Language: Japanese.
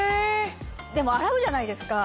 でも洗うじゃないですか。